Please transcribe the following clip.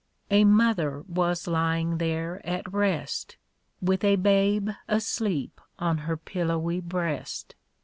' A mother was lying there at rest, With a babe asleep on her pillowy breast.